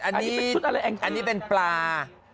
อันนี้เป็นปลา